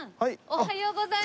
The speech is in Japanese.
おはようございます。